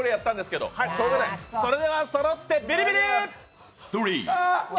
それではそろってビリビリ！